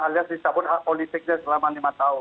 alias disiapkan politiknya selama lima tahun